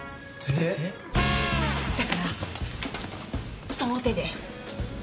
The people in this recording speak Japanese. だからその手で。